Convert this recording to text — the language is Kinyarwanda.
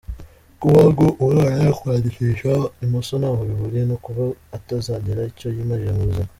Kuba ngo umwana yakwandikisha imoso ntaho bihuriye no kuba atazagira icyo yimarira mu buzima.